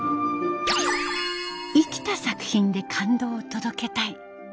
生きた作品で感動を届けたい。